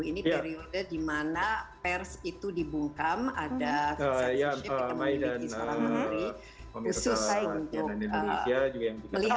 ini periode dimana pers itu dibungkam ada kecensi yang kita miliki seorang helmy